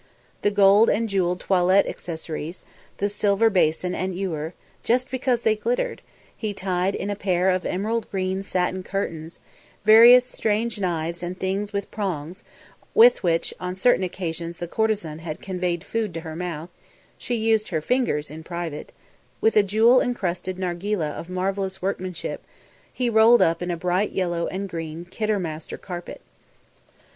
The gold and jewelled toilet accessories, the silver basin and ewer, just because they glittered, he tied in a pair of emerald green satin curtains; various strange knives and things with prongs, with which on certain occasions the courtesan had conveyed food to her mouth she used her fingers in private with a jewel encrusted nargileh of marvellous workmanship, he rolled up in a bright yellow and green Kidderminster carpet.